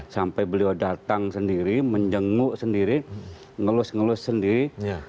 sampai beliau datang sendiri menjenguk sendiri ngelus ngelus sendiri